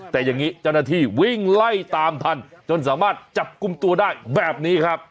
แต่อย่างนี้เจ้าหน้าที่วิ่งไล่ตามทันจนสามารถจับกลุ่มตัวได้แบบนี้ครับ